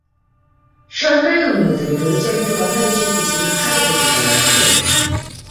সরকারী অনুমোদনে পরিচালিত বাংলাদেশের কিছু বিখ্যাত পতিতালয় হলোঃ